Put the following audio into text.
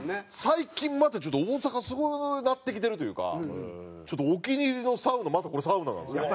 最近またちょっと大阪すごなってきてるというかちょっとお気に入りのサウナまたこれサウナなんですけど。